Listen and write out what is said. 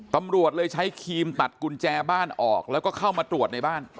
ตำรวจเลยใช้ครีมตัดกุญแจบ้านออกแล้วก็เข้ามาตรวจในบ้าน